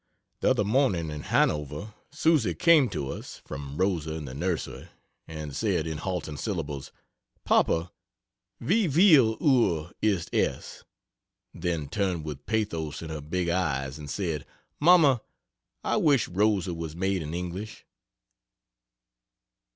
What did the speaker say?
The other morning in Hanover, Susy came to us (from Rosa, in the nursery) and said, in halting syllables, "Papa, vie viel uhr ist es?" then turned with pathos in her big eyes, and said, "Mamma, I wish Rosa was made in English."